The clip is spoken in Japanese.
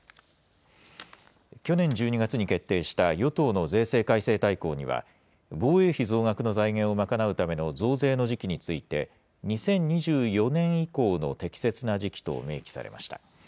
去年１２月に決定した与党の税制改正大綱には、防衛費増額の財源を賄うための増税の時期について、２０２４年以降の適切な時期と明記されました。